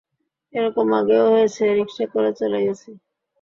এ-রকম আগেও হয়েছে, রিকশা করে চলে গেছি।